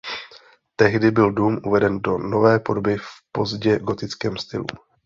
Tehdy byl dům uveden do nové podoby v pozdně gotickém stylu.